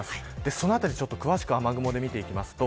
そのあたり詳しく雨雲で見ていきます。